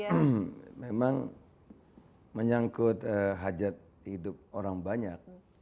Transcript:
ya memang memang menyangkut hajat hidup orang banyak